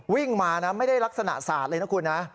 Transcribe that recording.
วิ่งมานะไม่ได้ลักษณะสาดเลยนะคุณนะ